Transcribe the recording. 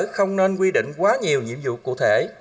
không nên quy định quá nhiều nhiệm vụ cụ thể